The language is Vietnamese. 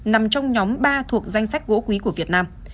nằm trong nhóm ba thuộc danh sách gỗ quý của việt nam